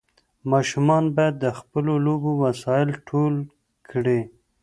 ماشومان باید د خپلو لوبو وسایل ټول کړي.